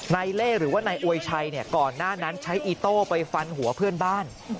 เล่หรือว่านายอวยชัยเนี่ยก่อนหน้านั้นใช้อีโต้ไปฟันหัวเพื่อนบ้าน